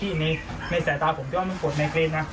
ที่ในสายตาผมก็ว่ามันปวดในเกรดนะ